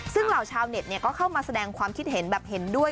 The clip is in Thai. ซึ่งเหล่าชาวเน็ตก็เข้ามาแสดงความคิดเห็นแบบเห็นด้วย